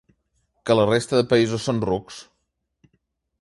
Que la resta de països són rucs?